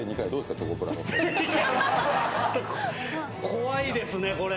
怖いですねこれ。